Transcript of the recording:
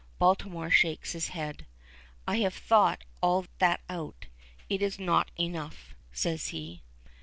Baltimore shakes his head. "I have thought all that out. It is not enough," says he.